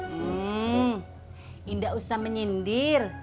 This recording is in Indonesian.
hmm ndak usah menyindir